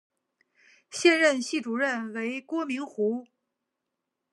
现任系主任为郭明湖。